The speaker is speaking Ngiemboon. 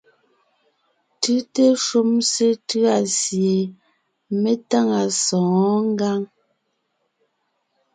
Tʉ́te shúm sétʉ̂a sie me táŋa sɔ̌ɔn ngǎŋ.